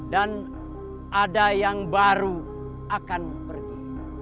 dan ada yang baru akan pergi